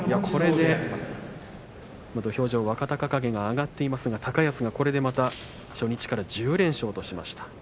これで土俵上は若隆景が上がっていますが高安がこれでまた初日から１０連勝としました。